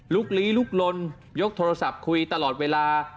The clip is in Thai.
ลี้ลุกลนยกโทรศัพท์คุยตลอดเวลา